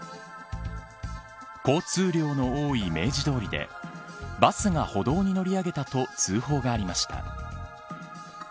交通量の多い明治通りでバスが歩道に乗り上げたと通報がありました。